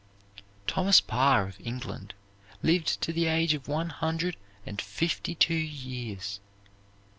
Thomas Parr, of England, lived to the age of one hundred and fifty two years.